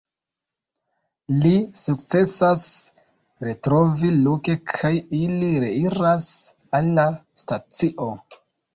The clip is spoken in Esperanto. Li sukcesas retrovi Luke kaj ili reiras al la stacio.